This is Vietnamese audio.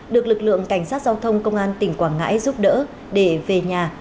được lực lượng cảnh sát giao thông công an tỉnh quảng ngãi giúp đỡ để về nhà